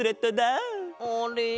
あれ？